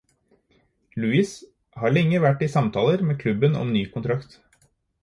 Luiz har lenge vært i samtaler med klubben om ny kontrakt.